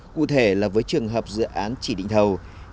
cụ thể là với trường hợp dự án chỉ định thầu